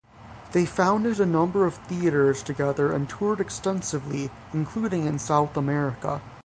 They founded a number of theatres together and toured extensively, including in South America.